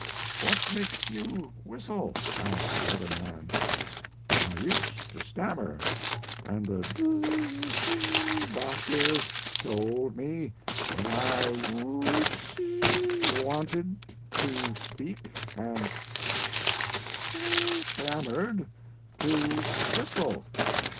* What makes you whistle?" asked the other man. "I used to stammer, and the d d d d (whis tles) octor told me when I w w w w w anted to speak and s s s s tam mered to whistle.